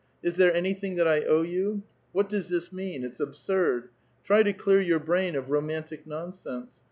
Is there anything that I Owe you? What does this mean? It's absurd. Try to ^^©ar 3'our brain of romantic nonsense.